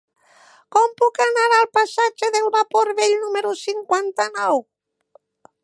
Com puc anar al passatge del Vapor Vell número cinquanta-nou?